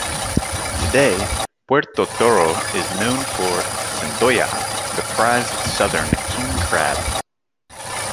Today, Puerto Toro is known for "centolla," the prized southern king crab.